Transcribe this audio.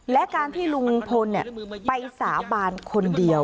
และการที่ลุงพลไปสาบานคนเดียว